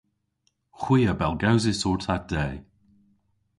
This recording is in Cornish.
Hwi a bellgewsis orta de.